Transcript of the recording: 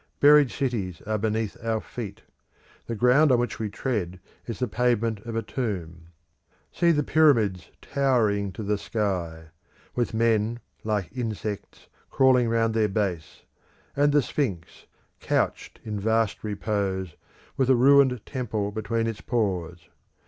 Buried cities are beneath our feet; the ground on which we tread is the pavement of a tomb. See the Pyramids towering to the sky; with men, like insects, crawling round their base; and the Sphinx, couched in vast repose, with a ruined temple between its paws.